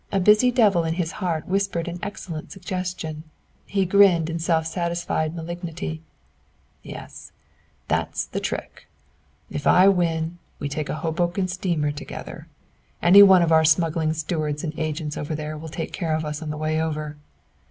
A busy devil in his heart whispered an excellent suggestion. He grinned in self satisfied malignity. "Yes! That's the trick! If I win we'll take a Hoboken steamer together. Any one of our smuggling stewards and agents over there will take care of us on the way over.